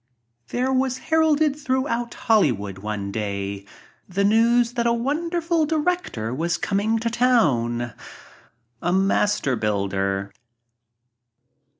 There was heralded throughout Hollywood one day the news that a wonderful director was coming to town — a master builder.